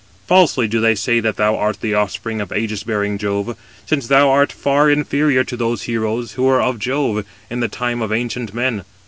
Falsely do they say that thou art the offspring of ægis bearing Jove, since thou art far inferior to those heroes, who were of Jove, in the time of ancient men.